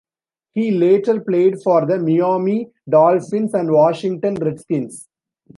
He later played for the Miami Dolphins and Washington Redskins.